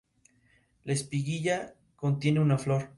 La espiguilla contiene una flor.